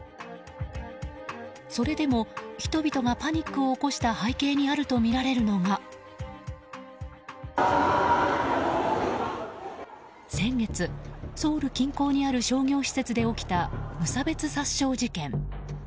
それでも人々がパニックを起こした背景にあるとみられるのが先月、ソウル近郊にある商業施設で起きた無差別殺傷事件。